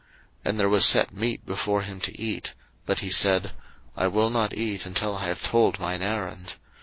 01:024:033 And there was set meat before him to eat: but he said, I will not eat, until I have told mine errand.